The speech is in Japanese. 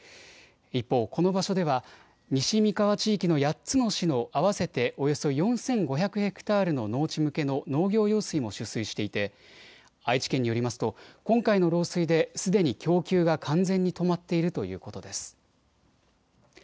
一方、この場所では西三河地域の８つの市の合わせておよそ４５００ヘクタールの農地向けの農業用水も取水していて、愛知県によりますと今回の漏水ですでに供給が完全に止まっているということです。